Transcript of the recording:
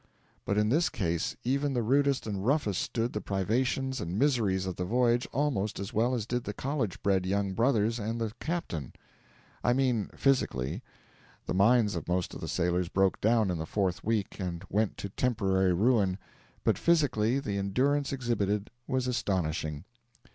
But in this case even the rudest and roughest stood the privations and miseries of the voyage almost as well as did the college bred young brothers and the captain. I mean, physically. The minds of most of the sailors broke down in the fourth week and went to temporary ruin, but physically the endurance exhibited was astonishing.